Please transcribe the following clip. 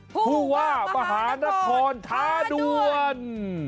ภูวามหานครทาดวน